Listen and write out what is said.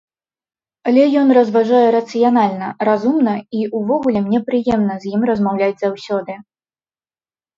Але ён разважае рацыянальна, разумна і ўвогуле мне прыемна з ім размаўляць заўсёды.